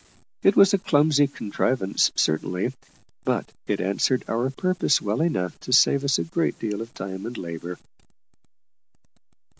It was a clumsy contrivance certainly, but it answered our purpose well enough to save us a great deal of time and labour.